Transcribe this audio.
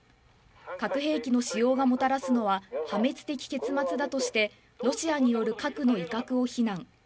核兵器の使用がもたらすのは破滅的結末だとして、ロシアによる核の威嚇を非難。